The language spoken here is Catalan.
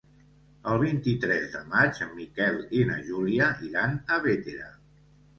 El vint-i-tres de maig en Miquel i na Júlia iran a Bétera.